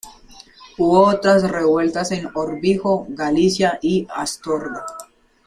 Hubo otras revueltas en Órbigo, Galicia, y Astorga.